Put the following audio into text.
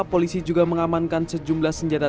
polisi juga mengamankan sejumlah senjata